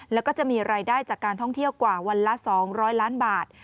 แล้วก็จะมีรายได้จากการท่องเที่ยวกว่าวันละ๒๐๐ล้านบาท